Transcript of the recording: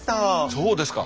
そうですか。